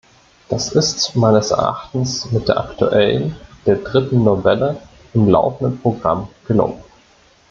Das ist meines Erachtens mit der aktuellen der dritten Novelle im laufenden Programm gelungen.